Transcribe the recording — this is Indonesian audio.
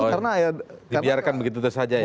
dibiarkan begitu saja ya